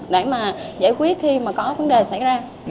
để mà giải quyết khi mà có vấn đề xảy ra